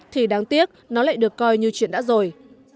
thì đáng tiếc nó lại được coi như chuyện đã rồi